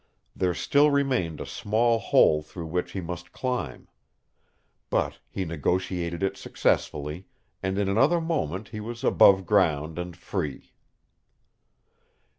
There still remained a small hole through which he must climb. But he negotiated it successfully, and in another moment he was aboveground and free.